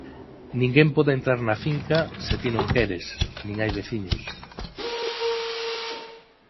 Ninguén pode entrar na finca se ti non queres, nin hai veciños...